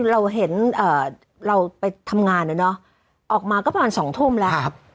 เราเห็นเราไปทำงานนะเนาะออกมาก็ประมาณ๒ทุ่มแล้ว